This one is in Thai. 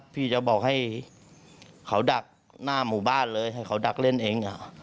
พี่จะบอกให้เขาดักหน้าหมู่บ้านเลยให้เขาดักเล่นเอง